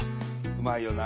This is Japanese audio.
うまいよな。